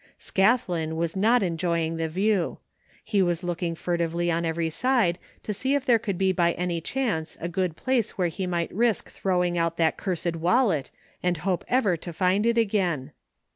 Scathlin was not enjoying the view. He was look ing furtively on every side to see if there could be by any chance a good place where he might risk throwing out that ctu sed wallet and hope ever to find it again.